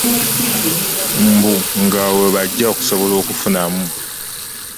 Mbu ng'awo we bajja okusobola okufunamu.